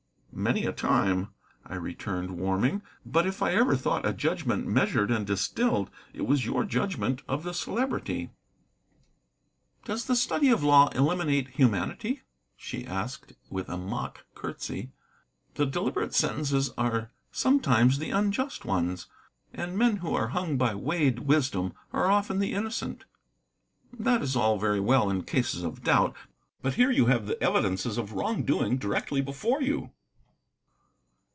"Many a time," I returned, warming; "but if I ever thought a judgment measured and distilled, it was your judgment of the Celebrity." "Does the study of law eliminate humanity?" she asked, with a mock curtsey. "The deliberate sentences are sometimes the unjust ones, and men who are hung by weighed wisdom are often the innocent." "That is all very well in cases of doubt. But here you have the evidences of wrong doing directly before you."